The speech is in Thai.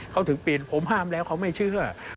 เขาถึงเปลี่ยนผมห้ามแล้วเขาไม่เชื่อ